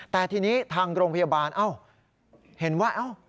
แต่ทีนี้ทางโรงพยาบาลเห็นว่า